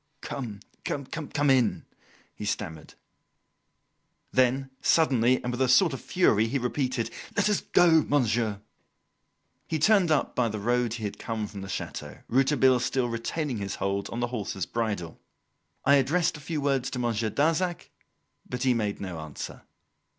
"Come! come in!" he stammered. Then, suddenly, and with a sort of fury, he repeated: "Let us go, monsieur." He turned up by the road he had come from the chateau, Rouletabille still retaining his hold on the horse's bridle. I addressed a few words to Monsieur Darzac, but he made no answer.